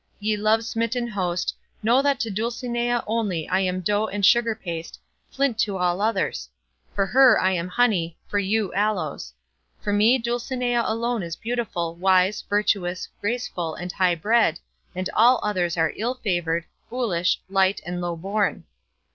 Ye love smitten host, know that to Dulcinea only I am dough and sugar paste, flint to all others; for her I am honey, for you aloes. For me Dulcinea alone is beautiful, wise, virtuous, graceful, and high bred, and all others are ill favoured, foolish, light, and low born.